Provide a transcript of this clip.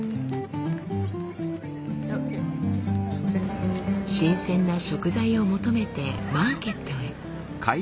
新鮮な食材を求めてマーケットへ。